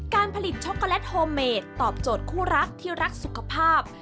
การผลิตช็อกโกแลตโฮเมดตอบโจทย์คู่รักที่รักสุขภาพ